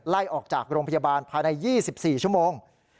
ไล่ออกจากโรงพยาบาลภายใน๒๔ชั่วโมง